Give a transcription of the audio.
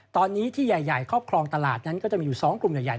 ตอนนี้ที่ใหญ่ครอบครองตลาดนั้นก็จะมีอยู่๒กลุ่มใหญ่